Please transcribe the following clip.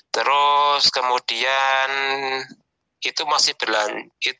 terus kemudian itu masih berlanjut